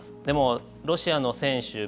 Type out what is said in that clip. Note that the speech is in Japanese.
でも、ロシアの選手